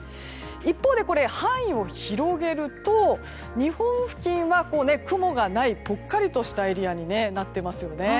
一方で範囲を広げると日本付近は雲がないぽっかりとしたエリアになっていますよね。